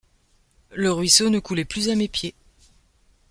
Le ruisseau ne coulait plus à mes pieds !